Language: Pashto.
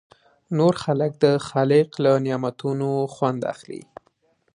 نور خلک د خالق له نعمتونو خوند اخلي.